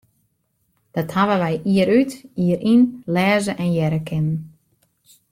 Dat hawwe wy jier út, jier yn lêze en hearre kinnen.